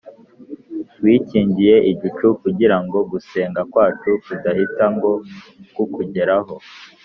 Wikingiye igicu, Kugira ngo gusenga kwacu kudahita ngo kukugereho.